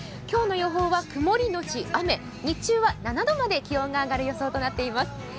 今日の予報は曇りのち雨、日中は７度まで気温が上がる予想となっています。